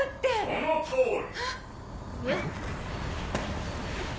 そのとおり！